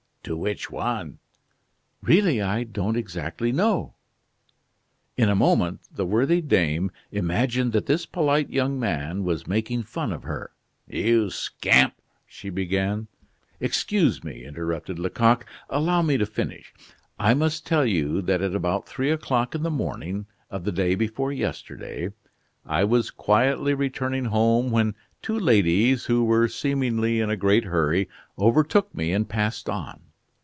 "To which one?" "Really, I don't exactly know." In a moment the worthy dame imagined that this polite young man was making fun of her. "You scamp !" she began. "Excuse me," interrupted Lecoq; "allow me to finish. I must tell you that at about three o'clock in the morning, of the day before yesterday, I was quietly returning home, when two ladies, who were seemingly in a great hurry, overtook me and passed on.